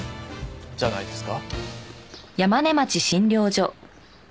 じゃないですか？